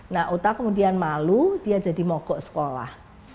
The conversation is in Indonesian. nah uta kemudian malu dia jadi mogok sekolah